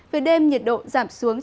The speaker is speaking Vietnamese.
vì đêm nhiệt độ giảm xuống